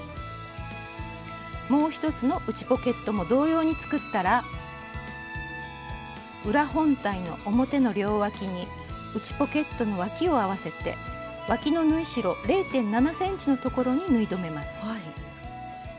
もう一つの内ポケットも同様に作ったら裏本体の表の両わきに内ポケットのわきを合わせてわきの縫い代０．７ｃｍのところに縫い留めます。